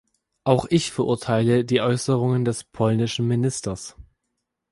Auch ich verurteile die Äußerung des polnischen Ministers.